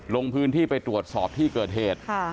ลงพื้นที่ไปตรวจสอบที่เกิดเหตุ